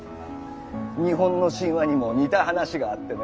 日本の神話にも似た話があってね